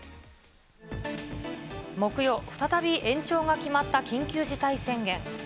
木曜、再び延長が決まった緊急事態宣言。